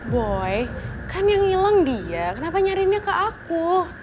boy kan yang ilang dia kenapa nyariinnya ke aku